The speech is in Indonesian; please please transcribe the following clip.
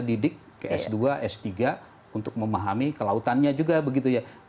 jadi ahli ahli geologi yang juga kita didik ke s dua s tiga untuk memahami kelautannya juga begitu ya